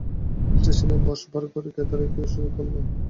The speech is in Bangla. স্টেশনের বসবার ঘরে কেদারায় গিয়ে শুয়ে পড়ল।